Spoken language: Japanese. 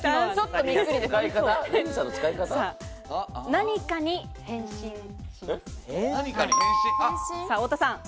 何かに変身しますね。